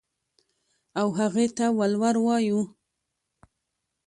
او هغې ته ولور وايو.